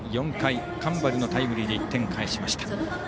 ４回、上原のタイムリーで１点を返しました。